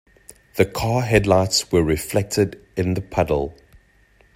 The car headlights were reflected in the puddle.